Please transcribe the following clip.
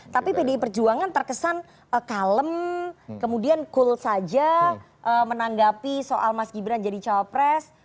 tapi pdi perjuangan terkesan kalem kemudian cool saja menanggapi soal mas gibran jadi cawapres